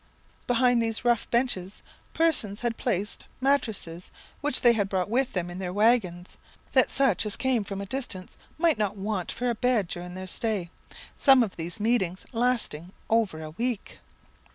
Behind these rough benches persons had placed mattrasses, which they had brought with them in their waggons, that such as came from a distance might not want for a bed during their stay some of these meetings lasting over a week.